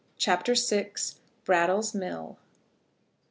CHAPTER VI. BRATTLE'S MILL.